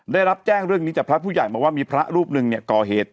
ได้รับแจ้งเรื่องนี้จากพระผู้ใหญ่มาว่ามีพระรูปหนึ่งเนี่ยก่อเหตุ